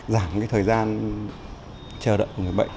giảm thời gian chờ đợi người bệnh